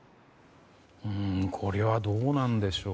これはどうなんでしょう。